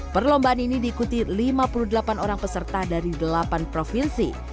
perlombaan ini diikuti lima puluh delapan orang peserta dari delapan provinsi